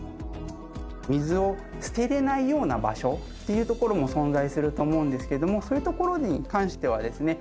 水を捨てられないような場所っていう所も存在すると思うんですけどもそういう所に関してはですね